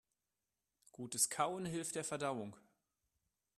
Gutes Kauen hilft der Verdauung.